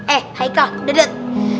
eh hai kak dedet